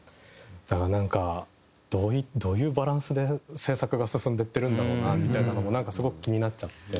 だからなんかどういうバランスで制作が進んでいってるんだろうなみたいなのもなんかすごく気になっちゃって。